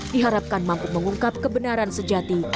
diharapkan mampu mengungkap kebenaran sejati